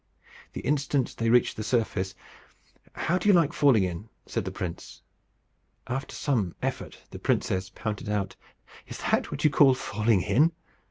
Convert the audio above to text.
The instant they reached the surface "How do you like falling in?" said the prince. After some effort the princess panted out, "Is that what you call falling in?"